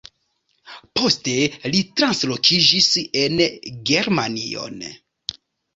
Poste li translokiĝis en Germanion.